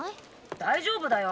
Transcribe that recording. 大丈夫だよ。